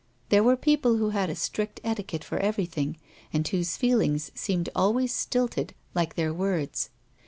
They were people who had a strict etiquette for everything, and whose feelings seemed always stilted, like their words.